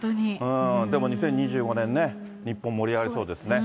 でも、２０２５年ね、日本盛り上がりそうですね。